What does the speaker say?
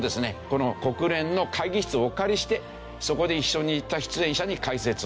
この国連の会議室をお借りしてそこで一緒にいた出演者に解説をしたと。